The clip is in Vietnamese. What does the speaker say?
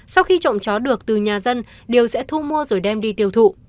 sau khi trộm chó được từ nhà dân điều sẽ thu mua rồi đem đi tiêu thụ